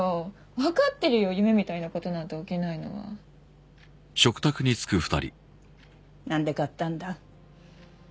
わかってるよ夢みたいなことなんて起きないのはなんで買ったんだ？